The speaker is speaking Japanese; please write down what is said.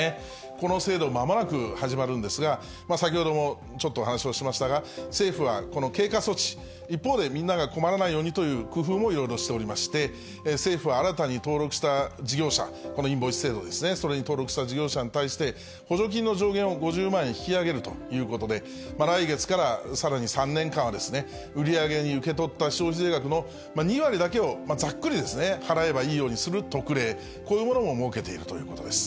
この制度、まもなく始まるんですが、先ほどもちょっとお話をしましたが、政府は、この経過措置、一方で、みんなが困らないようにという工夫もいろいろしておりまして、政府は新たに登録した事業者、このインボイス制度ですね、それに登録した事業者に対して、補助金の上限を５０万円、引き上げるということで、来月からさらに３年間は、売り上げに受け取った消費税額の２割だけをざっくりですね、払えばいいようにする特例、こういうものも設けているということです。